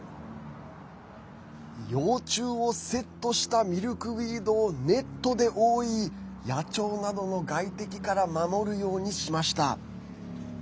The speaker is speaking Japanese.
幼虫をセットしたミルクウィードをネットで覆い野鳥などの外敵から守るようにしました。